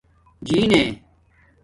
جینے